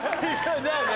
じゃあね。